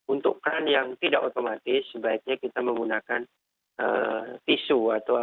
untuk bahan yang tidak otomatis sebaiknya kita menggunakan tisu